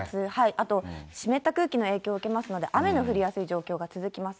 あと、湿った空気の影響を受けますので、雨の降りやすい状況が続きます。